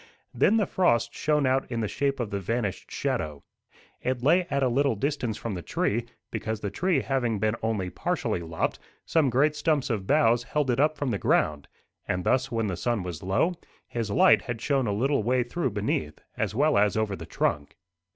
Then the frost shone out in the shape of the vanished shadow. It lay at a little distance from the tree, because the tree having been only partially lopped, some great stumps of boughs held it up from the ground, and thus, when the sun was low, his light had shone a little way through beneath, as well as over the trunk.